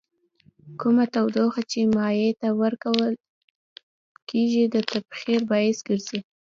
کومه تودوخه چې مایع ته ورکول کیږي د تبخیر باعث ګرځي.